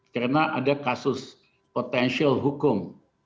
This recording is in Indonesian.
karena ada kasus potensial hukum